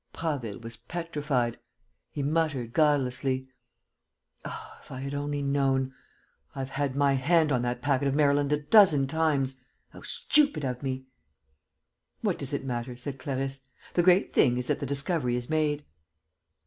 Prasville was petrified. He muttered, guilelessly: "Oh, if I had only known! I've had my hand on that packet of Maryland a dozen times! How stupid of me!" "What does it matter?" said Clarisse. "The great thing is that the discovery is made."